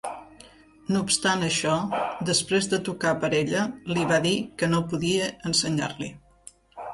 No obstant això, després de tocar per a ella, li va dir que no podia ensenyar-li.